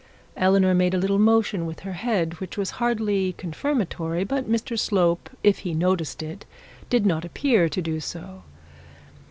Eleanor made a little motion with her head which was hardly confirmatory, but Mr Slope if he noticed it, did not appear to do so.